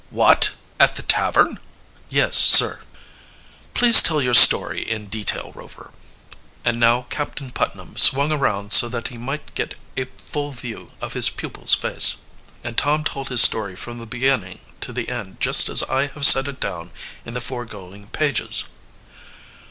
"What! At the tavern?" "Yes, Sir." "Please tell your story in detail, Rover," and now Captain Putnam swung around so that he might get a full view of his pupil's face. And Tom told his story from beginning to end just as I have set it down in the foregoing pages.